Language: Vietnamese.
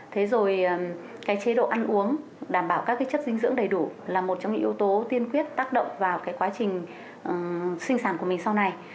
thế rồi cái chế độ ăn uống đảm bảo các cái chất dinh dưỡng đầy đủ là một trong những yếu tố tiên quyết tác động vào cái quá trình sinh sản của mình sau này